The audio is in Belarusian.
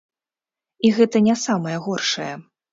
І гэта не самае горшае.